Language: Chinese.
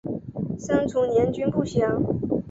生卒年均不详。